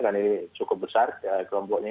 dan ini cukup besar kelompoknya